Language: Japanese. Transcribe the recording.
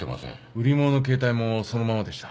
売り物の携帯もそのままでした。